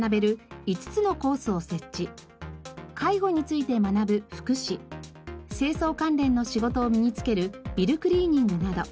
介護について学ぶ福祉清掃関連の仕事を身につけるビルクリーニングなど。